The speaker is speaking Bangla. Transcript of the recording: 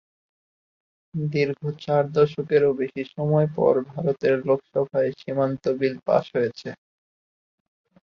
দীর্ঘ চার দশকেরও বেশি সময় পর ভারতের লোকসভায় সীমান্ত বিল পাস হয়েছে।